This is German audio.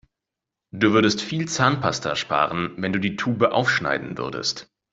Du würdest viel Zahnpasta sparen, wenn du die Tube aufschneiden würdest.